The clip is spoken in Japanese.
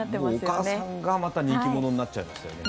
お母さんが、また人気者になっちゃいましたよね。